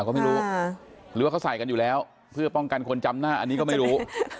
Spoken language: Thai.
ก็ไม่รู้หรือว่าเขาใส่กันอยู่แล้วเพื่อป้องกันคนจำหน้าอันนี้ก็ไม่รู้